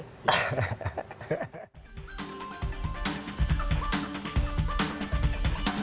kitaacterium pertama madame song